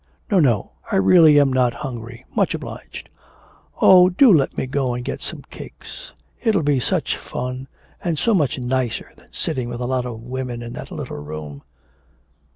'No, no, I really am not hungry, much obliged.' 'Oh, do let me go and get some cakes, it'll be such fun, and so much nicer than sitting with a lot of women in that little room.'